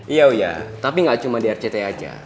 iya iya tapi gak cuma di rcti aja